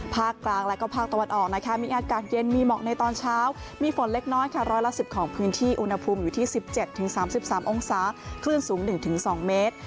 ภาคกลางและก็ภาคตะวันออกนะคะมีอากาศเย็นมีหมอกในตอนเช้ามีฝนเล็กน้อยค่ะร้อยละ๑๐ของพื้นที่อุณหภูมิอยู่ที่๑๗๓๓องศาคลื่นสูง๑๒เมตร